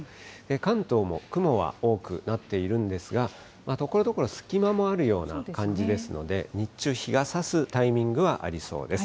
関東も雲は多くなっているんですが、ところどころ、隙間もあるような感じですので、日中、日がさすタイミングはありそうです。